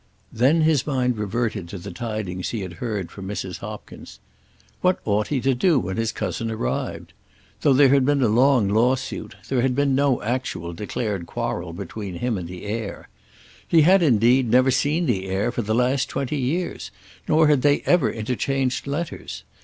Then his mind reverted to the tidings he had heard from Mrs. Hopkins. What ought he to do when his cousin arrived? Though there had been a long lawsuit, there had been no actual declared quarrel between him and the heir. He had, indeed, never seen the heir for the last twenty years, nor had they ever interchanged letters.